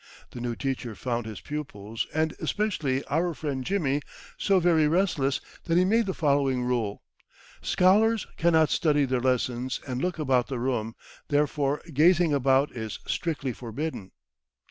The new teacher found his pupils, and especially our friend Jimmy, so very restless, that he made the following rule: "Scholars cannot study their lessons and look about the room; therefore gazing about is strictly forbidden."